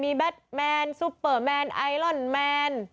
มีแบทแมนซุปเปอร์แมนไอลอนแมน